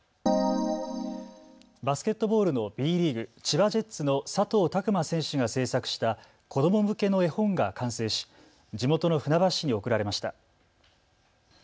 バスケットボールのＢリーグ、千葉ジェッツの佐藤卓磨選手が制作した子ども向けの絵本が完成し地元の船橋市に贈られました。